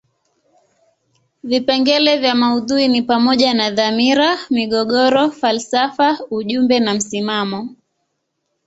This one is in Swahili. Vipengele vya maudhui ni pamoja na dhamira, migogoro, falsafa ujumbe na msimamo.